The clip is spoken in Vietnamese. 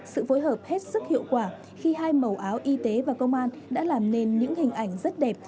sự phối hợp hết sức hiệu quả khi hai màu áo y tế và công an đã làm nên những hình ảnh rất đẹp